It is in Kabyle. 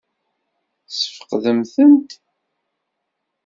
Tesfeqdem-tent?